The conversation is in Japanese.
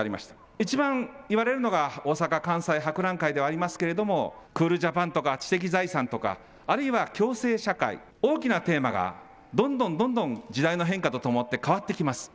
一番言われるのが大阪関西博覧会ではありますけれども、クールジャパンとか知的財産とか、あるいは共生社会、大きなテーマがどんどんどんどん時代の変化とともって変わってきます。